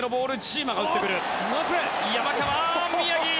山川、宮城！